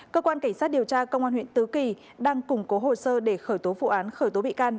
cơ quan cảnh sát điều tra công an huyện tứ kỳ đang củng cố hồ sơ để khởi tố vụ án khởi tố bị can